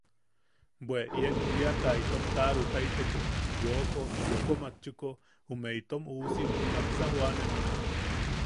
Bwe ien bwiata itom taʼarutaiteko yooko, yooko matchuko “¿ume itom uusim jaksa joʼanemme?”